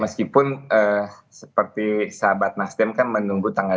meskipun seperti sahabat nasdem kan menunggu tanggal